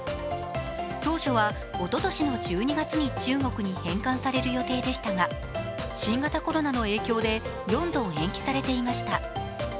当初は、おととしの１２月に中国に返還される予定でしたが新型コロナの影響で４度延期されていました。